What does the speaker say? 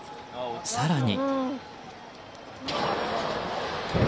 更に。